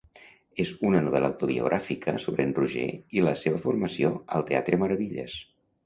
És una novel·la autobiogràfica sobre en Roger i la seva formació al teatre Maravillas.